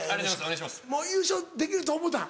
優勝できると思うたん？